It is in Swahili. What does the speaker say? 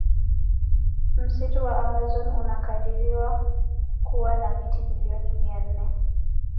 Msitu wa amazon unakadiriwa kuwa na miti billion mia nne